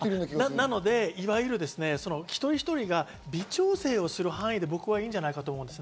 なので、一人一人が微調整をする範囲でいいんじゃないかと思うんです。